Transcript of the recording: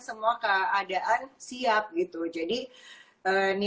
semua keadaan siap gitu